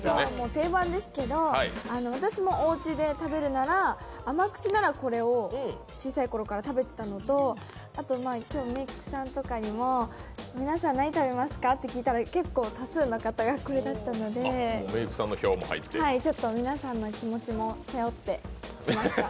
定番ですけど、私もおうちで食べるなら、甘口ならこれを小さい頃から食べてたのと、あと今日メークさんとかにも皆さん何食べますかって聞いたら多数の方がこれだったので皆さんの気持ちも背負ってきました。